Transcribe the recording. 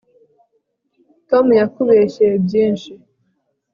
tom yakubeshyeye byinshi